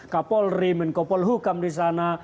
kapolrim dan kapolhukam di sana